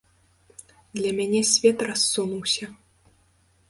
Для мяне свет рассунуўся.